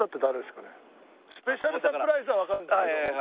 スペシャルサプライズはわかるんですけど。